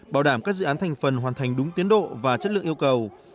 bảo đảm các dự án thành phần hoàn thành đúng tiến độ và chất lượng yêu cầu